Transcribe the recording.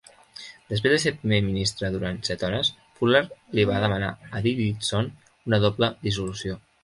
Després de ser primer ministre durant set hores, Fuller li va demanar a Davidson una doble dissolució.